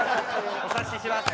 お察しします。